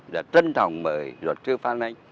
đã trân trọng mời luật sư phan anh